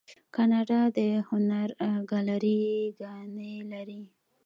کاناډا د هنر ګالري ګانې لري.